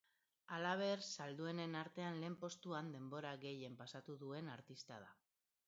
Halaber, salduenen artean lehen postuan denbora gehien pasatu duen artista da.